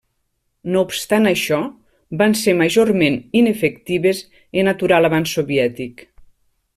No obstant això, van ser majorment inefectives en aturar l'avanç soviètic.